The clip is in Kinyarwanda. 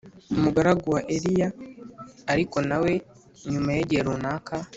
umugaragu wa Eliya Ariko na we nyuma y igihe runaka